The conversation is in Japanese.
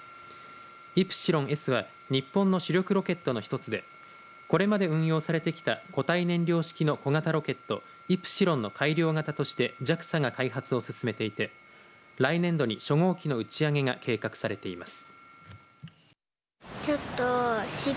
イプシロンＳは日本の主力ロケットの１つでこれまで運用されてきた固体燃料式の小型ロケットイプシロンの改良型としてＪＡＸＡが開発を進めていて来年度に初号機の打ち上げが計画されています。